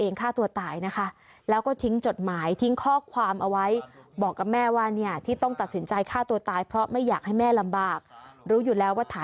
ฆ่าตัวตายนะคะแล้วก็ทิ้งจดหมายทิ้งข้อความเอาไว้บอกกับแม่ว่าเนี่ยที่ต้องตัดสินใจฆ่าตัวตายเพราะไม่อยากให้แม่ลำบากรู้อยู่แล้วว่าถ่าย